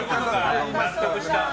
納得した。